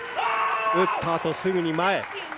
打ったあとすぐに前。